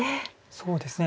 そうですね。